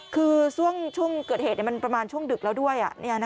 คือช่วงเกิดเหตุมันประมาณช่วงดึกแล้วด้วย